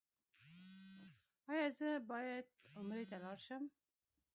ایا زه باید عمرې ته لاړ شم؟